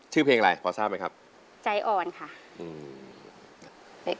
ชื่อเพลงอะไรพอทราบไหมครับใจอ่อนค่ะอืม